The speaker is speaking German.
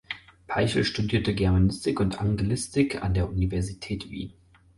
Peichl studierte Germanistik und Anglistik an der Universität Wien.